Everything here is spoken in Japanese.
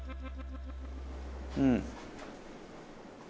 うん。